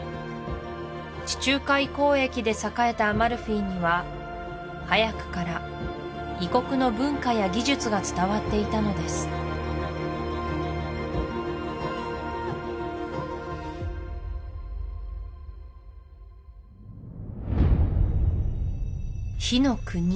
地中海交易で栄えたアマルフィには早くから異国の文化や技術が伝わっていたのです火の国